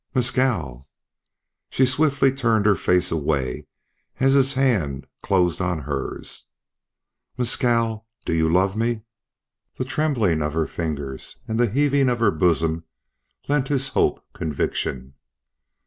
"Mescal." She swiftly turned her face away as his hand closed on hers. "Mescal, do you love me?" The trembling of her fingers and the heaving of her bosom lent his hope conviction.